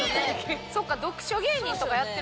そっか読書芸人とかやってるから。